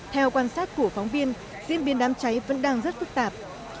theo quan sát của phóng viên diễn biến đám cháy vẫn đang rất phức tạp